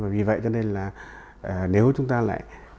vì vậy cho nên là nếu chúng ta lại